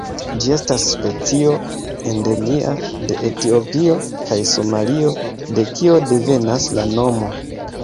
Ĝi estas specio endemia de Etiopio kaj Somalio, de kio devenas la nomo.